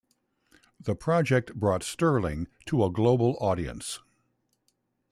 The project brought Stirling to a global audience.